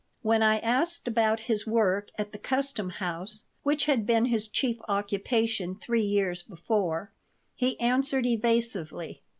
When I asked about his work at the custom house, which had been his chief occupation three years before, he answered evasively.